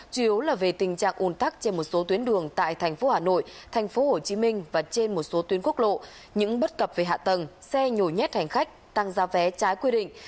chủ yếu là về tình trạng ồn tắc trên một số tuyến đường tại thành phố hà nội thành phố hồ chí minh và trên một số tuyến quốc lộ những bất cập về hạ tầng xe nhồi nhét hành khách tăng giao vé trái quy định